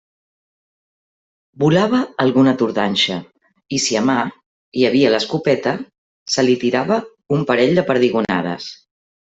Volava alguna tordanxa, i si a mà hi havia l'escopeta, se li tirava un parell de perdigonades.